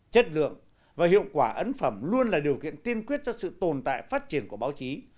chất lượng và hiệu quả ấn phẩm luôn là điều kiện tiên quyết cho sự tồn tại phát triển của báo chí